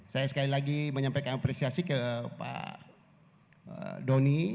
saya sekali lagi menyampaikan apresiasi ke pak doni